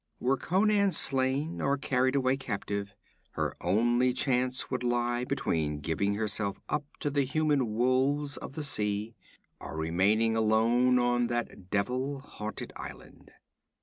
Were Conan slain or carried away captive, her only choice would lie between giving herself up to the human wolves of the sea, or remaining alone on that devil haunted island.